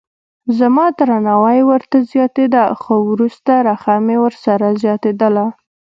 زما درناوی ورته زیاتېده خو وروسته رخه مې ورسره زیاتېدله.